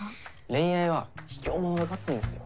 恋愛は卑怯者が勝つんですよ。